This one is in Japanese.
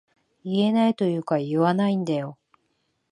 言えないというか言わないんだよ